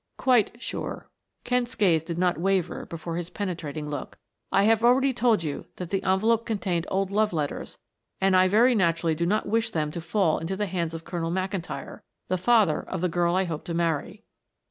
"Quite sure." Kent's gaze did not waver before his penetrating look. "I have already told you that the envelope contained old love letters, and I very naturally do not wish them to fall into the hands of Colonel McIntyre, the father of the girl I hope to marry."